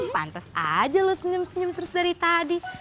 pantas aja lo senyum senyum terus dari tadi